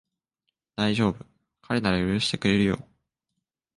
だいじょうぶ、彼なら許してくれるよ